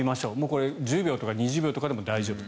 これは１０秒とか２０秒でも大丈夫。